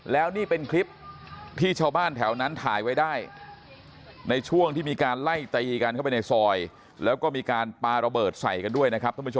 แล้วนี่เป็นคลิปที่ชาวบ้าน